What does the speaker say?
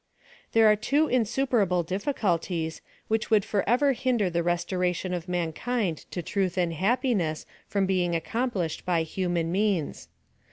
There are two insuperable difficulties, wliich would forever hinder the restoration of mankind to truth and happiness from being accomplished by lumian means.